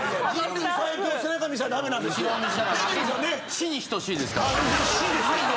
死に等しいですから。